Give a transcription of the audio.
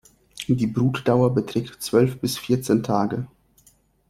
Die Brutdauer beträgt zwölf bis vierzehn Tage.